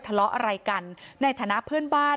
โปรดติดตามต่อไป